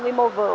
quy mô vừa